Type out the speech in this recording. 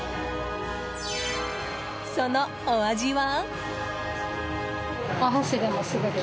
そのお味は。